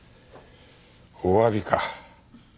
おわびか。